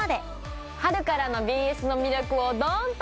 春からのＢＳの魅力をどんと。